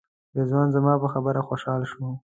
رضوان زما په خبره خوشاله شو.